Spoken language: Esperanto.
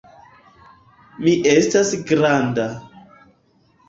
Mi estas granda.